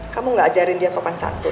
kamu gak ajarin dia sopan satu